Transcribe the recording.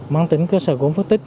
mang tính cơ sở gốm phước tích